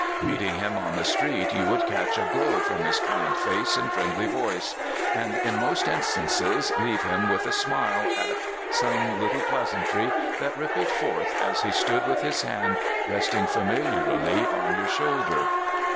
Meeting him on the street, you would catch a glow from his kind face and friendly voice, and in most instances leave him with a smile at some little pleasantry that rippled forth as he stood with his hand resting familiarly on your shoulder.